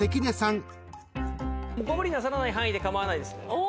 ご無理なさらない範囲で構わないです。